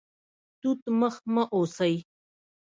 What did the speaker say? توت مخ مه اوسئ